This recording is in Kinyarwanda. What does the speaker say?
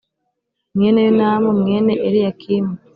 mwene Yonamu mwene Eliyakimu